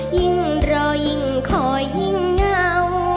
ยิ่งรอยิ่งขอยิ่งเงา